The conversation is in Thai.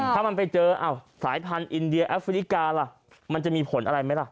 ถ้ามันไปเจอสายพันธุ์อินเดียแอฟริกาล่ะมันจะมีผลอะไรไหมล่ะ